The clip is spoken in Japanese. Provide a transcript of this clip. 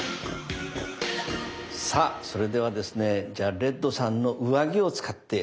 さあそれではですねじゃあレッドさんの上着を使って。